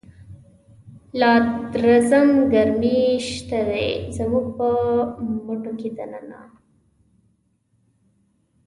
لادرزم ګرمی شته دی، زموږ په مټوکی دننه